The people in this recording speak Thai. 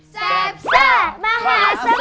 แซ่บเซอร์มหาสมุน